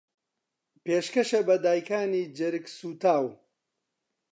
پێشکەشە بە دایکانی جەرگسووتاو